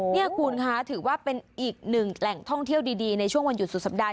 นี่คุณค่ะถือว่าเป็นอีกหนึ่งแหล่งท่องเที่ยวดีในช่วงวันหยุดสุดสัปดาห